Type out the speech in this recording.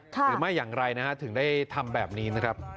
เขาไม่ซื้อปุ๊บเขาก็ทำแบบนี้